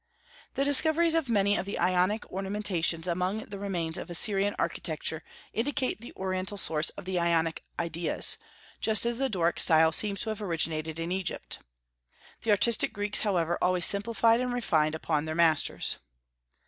The discoveries of many of the Ionic ornamentations among the remains of Assyrian architecture indicate the Oriental source of the Ionic ideas, just as the Doric style seems to have originated in Egypt. The artistic Greeks, however, always simplified and refined upon their masters.